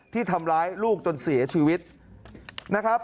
ที่ทำร้ายลูกจนเสียชีวิตนะครับ